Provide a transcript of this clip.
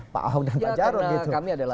pak ahok dan pak jarot gitu